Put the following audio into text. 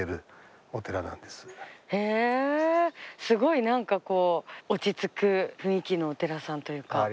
すごい何かこう落ち着く雰囲気のお寺さんというか。